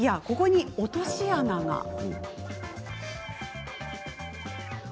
ここに落とし穴が。